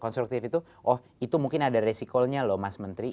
konstruktif itu oh itu mungkin ada resikonya loh mas menteri